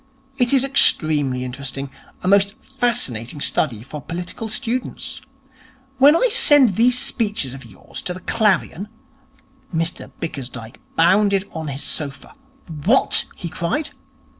It is extremely interesting. A most fascinating study for political students. When I send these speeches of yours to the Clarion ' Mr Bickersdyke bounded on his sofa. 'What!' he cried.